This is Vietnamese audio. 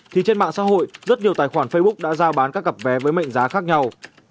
thì trên mạng xã hội rất nhiều tài khoản facebook đã giao bán các cặp vé với mệnh giá khác nhau